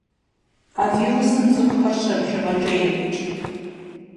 А вирусым цӏыхухэр щэ бжыгъэкӏэ еукӏ.